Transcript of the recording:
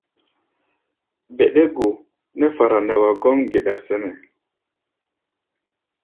Bɛɗɛ́-go nɛ́ fara nɛ wa gɔ́m geɗa sɛnɛ́.